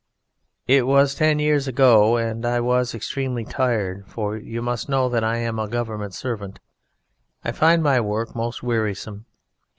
"It was ten years ago, and I was extremely tired, for you must know that I am a Government servant, and I find my work most wearisome.